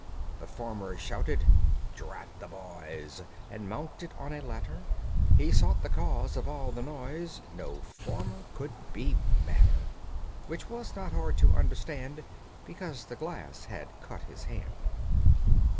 The farmer shouted, "Drat the boys!" And, mounting on a ladder, He sought the cause of all the noise; No farmer could be madder, Which was not hard to understand Because the glass had cut his hand.